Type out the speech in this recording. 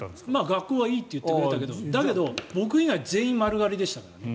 学校はいいよって言ってくれたけどだけど、僕以外全員丸刈りでしたからね。